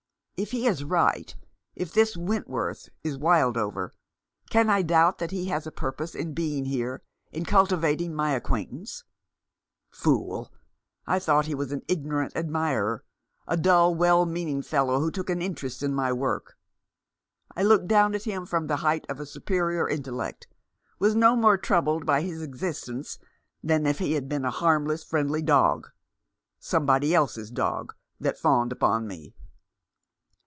If he is right — if this Wentworth is Wildover, can I doubt that he has a purpose in being here, in cultivating my acquaintance ? Fool ! I thought he was an ignorant admirer — a dull, well meaning fellow, who took an interest in my work ; I looked down at him from the height of a superior intellect ; was no more troubled by his existence than if he had been a harmless friendly dog — somebody else's dog that fawned upon me."